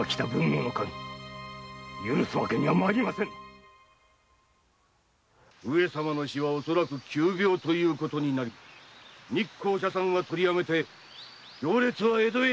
後守許すわけには参りませぬ上様の死は恐らく急病ということになり日光社参はとりやめて行列は江戸へ引き返すであろう。